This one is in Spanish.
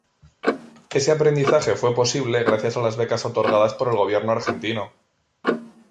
Ese aprendizaje fue posible gracias a las becas otorgadas por el gobierno argentino.